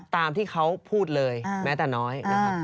ตามที่เขาพูดเลยแม้แต่น้อย